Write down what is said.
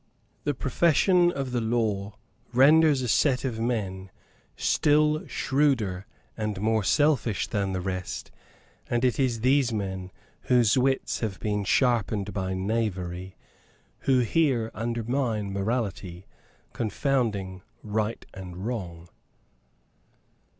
The profession of the law renders a set of men still shrewder and more selfish than the rest; and it is these men, whose wits have been sharpened by knavery, who here undermine morality, confounding right and wrong.